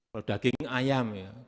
kalau daging ayam